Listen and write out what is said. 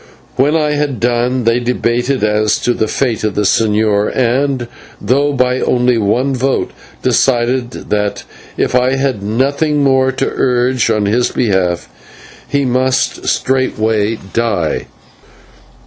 When I had done they debated as to the fate of the señor, and though by only one vote decided that if I had nothing more to urge on his behalf he must straightway die.